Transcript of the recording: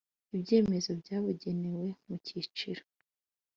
ibyemezo byabugenewe mu cyiciro